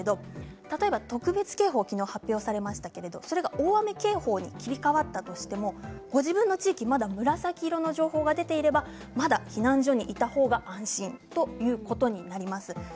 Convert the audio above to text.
例えば特別警報、昨日発表されましたが大雨警報に切り替わったとしてもご自身の地域が紫色の情報が出ていればまた避難所にいた方が安心ということになります。